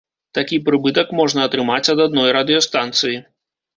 Такі прыбытак можна атрымаць ад адной радыёстанцыі.